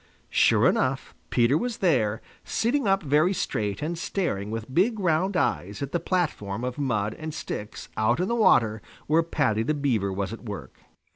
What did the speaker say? Sure enough, Peter was there, sitting up very straight and staring with big round eyes at the platform of mud and sticks out in the water where Paddy the Beaver was at work.